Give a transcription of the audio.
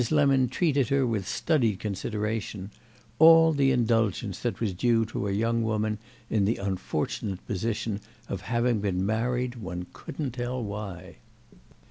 Lemon treated her with studied consideration—all the indulgence that was due to a young woman in the unfortunate position of having been married one couldn't tell why.